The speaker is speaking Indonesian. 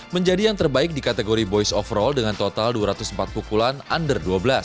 menjadi yang terbaik di kategori boys overall dengan total dua ratus empat pukulan under dua belas